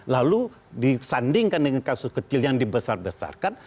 lalu disandingkan dengan kasus kecil yang dibesar besarkan